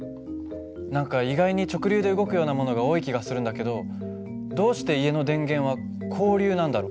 何か意外に直流で動くようなものが多い気がするんだけどどうして家の電源は交流なんだろう？